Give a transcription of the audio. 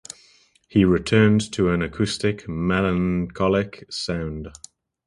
He returned to an acoustic, melancholic sound.